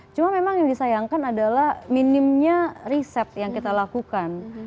cuma memang yang disayangkan adalah minimnya riset yang kita lakukan